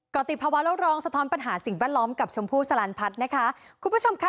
ก็ติดภาวะโลกร้องสะท้อนปัญหาสิ่งแวดล้อมกับชมพู่สลันพัฒน์นะคะคุณผู้ชมค่ะ